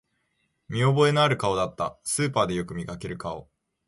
見覚えのある顔だった、スーパーでよく見かける顔